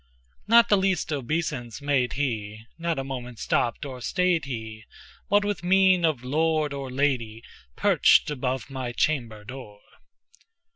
"Not the lease obeisance made he—not a moment stopped or stayed he, But with mien of lord or lady, perched above my chamber door."